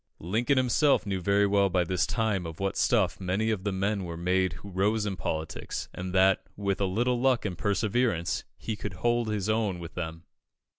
Lincoln himself knew very well by this time of what stuff many of the men were made who rose in politics, and that, with a little luck and perseverance, he could hold his own with them.